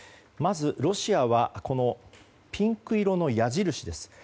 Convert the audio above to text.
まずロシアはピンク色の矢印です。